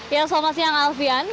ya selamat siang alfian